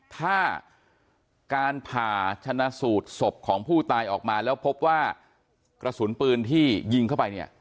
ถ้าการผ่าชนะสูตรศพของผู้ตายออกมาแล้วพบว่ากระสุนปืนที่ยิงเข้าไปเนี่ย